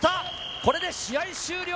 これで試合終了。